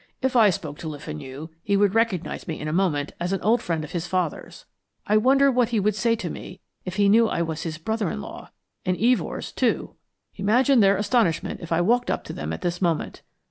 "If I spoke to Le Fenu, he would recognise me in a moment as an old friend of his father's. I wonder what he would say to me if he knew I was his brother in law and Evors, too. Imagine their astonishment if I walked up to them at this moment.